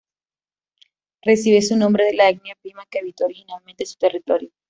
Recibe su nombre de la etnia pima que habitó originalmente su territorio.